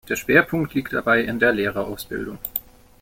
Der Schwerpunkt liegt dabei in der Lehrerausbildung.